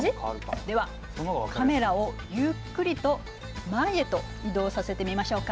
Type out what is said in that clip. ではカメラをゆっくりと前へと移動させてみましょうか。